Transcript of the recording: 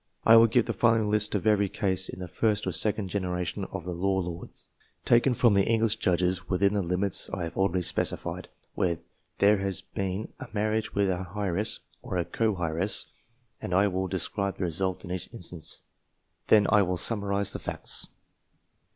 I will give the following list of every case in the first or second generation of the Law Lords, taken from the English Judges within the limits I have already specified, where there has been a marriage with an heiress or a co heiress, and I will describe the result in each instance. Then I will sum marize the facts.